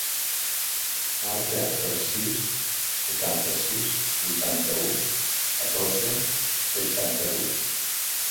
Marca el sis, setanta-sis, vuitanta-u, catorze, seixanta-vuit.